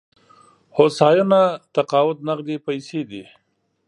هوساینه تقاعد نغدې پيسې دي.